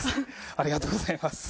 ありがとうございます。